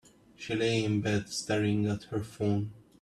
She lay in bed, staring at her phone.